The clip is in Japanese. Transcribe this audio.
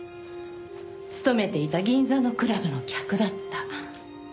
勤めていた銀座のクラブの客だった。